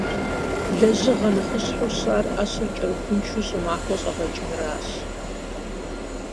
Лэжьыгъэ нэхъыщхьэу щыӀэр Ӏэщыр кӀэрыхуншэу щӀымахуэ щӀэгъэкӀынырщ.